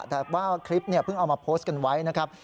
แต่ว่าคลิปเนี่ยเพิ่งเอามาโพสต์กันไว้นะครับ